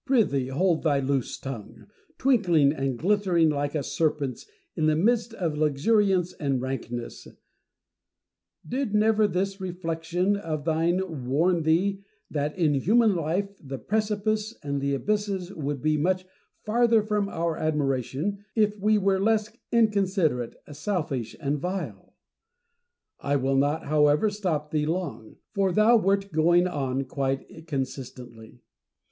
Prythee hold thy loose tongue, twinkling and glittering like a serpent's in the midst of luxuriance and rankness ! Did never this reflection of thine warn thee that, in human life, the precipices and abysses would be much farther from our admiration if we were less incon siderate, selfish, and vile % I will not however stop thee long, for thou wert going on quite consistently.